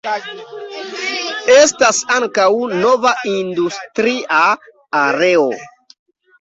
Estas ankaŭ nova industria areo.